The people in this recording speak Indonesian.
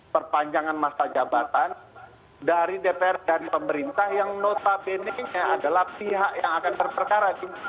perpanjangan masa jabatan dari dpr dan pemerintah yang notabene nya adalah pihak yang akan berperkara